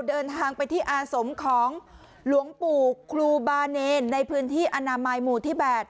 เดินทางไปที่อาสมของหลวงปู่ครูบาเนรในพื้นที่อนามัยหมู่ที่๘